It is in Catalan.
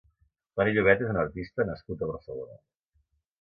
Toni Llobet és un artista nascut a Barcelona.